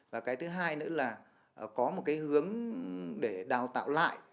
và cái thứ hai nữa là có một cái hướng để đào tạo lại